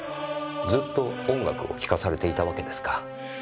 ずっと音楽を聴かされていたわけですか。